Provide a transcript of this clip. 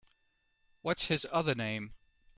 What’s his other name?